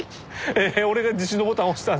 俺が自首のボタン押したんすか？